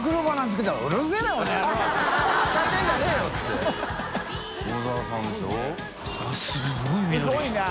すごい。